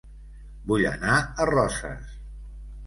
Vull anar a Roses